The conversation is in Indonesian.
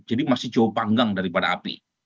jadi masih jauh panggang daripada api